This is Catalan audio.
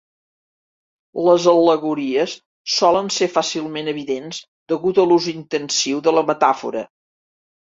Les al·legories solen ser fàcilment evidents degut a l'ús intensiu de la metàfora.